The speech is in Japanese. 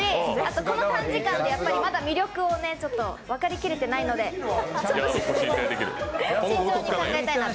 この短時間でまだ魅力を分かりきれてないので慎重に考えたいなと。